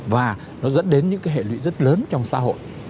và nó dẫn đến những cái hệ lụy rất lớn trong xã hội